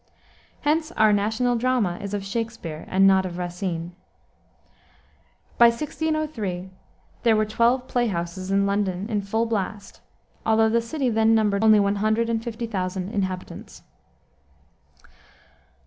Hence our national drama is of Shakspere, and not of Racine. By 1603 there were twelve play houses in London in full blast, although the city then numbered only one hundred and fifty thousand inhabitants.